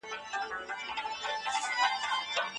زه به له هغه سره په جنت کي يو ځای يم.